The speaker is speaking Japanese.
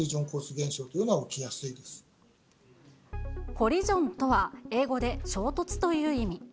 現象というコリジョンとは英語で衝突という意味。